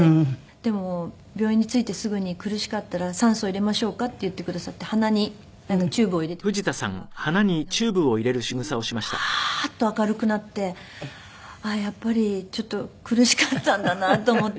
でも病院に着いてすぐに「苦しかったら酸素入れましょうか？」って言ってくださって鼻にチューブを入れてくださったらなんか色がパーッと明るくなってあっやっぱりちょっと苦しかったんだなと思って。